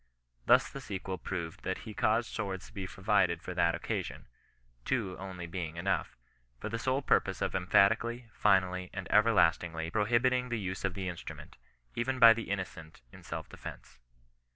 Thus the sequel proved that he caused swords to be provided for that occasion (two only being enough) for the sole purpose of emphatically, finally, and everlastingly prohibiting the use of the in strument, even by the innocent in self defence.